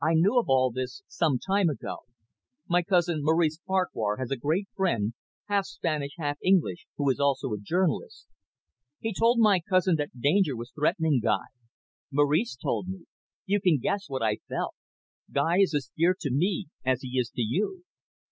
"I knew of all this some little time ago. My cousin, Maurice Farquhar, has a great friend, half Spanish, half English, who is also a journalist. He told my cousin that danger was threatening Guy. Maurice told me. You can guess what I felt. Guy is as dear to me as he is to you."